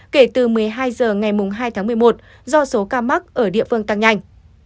kể từ một mươi hai h ngày hai tháng một mươi một do số ca mắc ở địa phương tăng nhanh